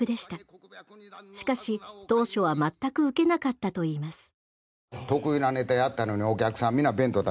しかし当初は全く受けなかったといいます。